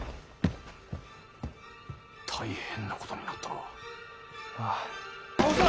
大変なことになったな。